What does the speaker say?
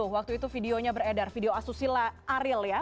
waktu itu videonya beredar video asusila ariel ya